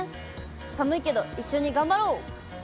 寒いけど一緒に頑張ろう。